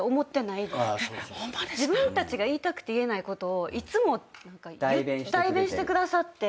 自分たちが言いたくて言えないことをいつも代弁してくださって。